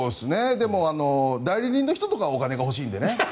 でも代理人の方とかはお金が欲しいんでね。